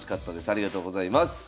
ありがとうございます。